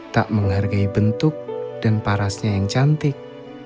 tak menghargai bentuk dan parasnya yang cantik